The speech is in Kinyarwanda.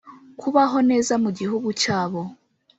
Kubaho neza mu gihugu cyabo